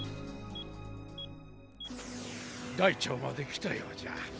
大腸まで来たようじゃ。